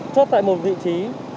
chốt tại một vị trí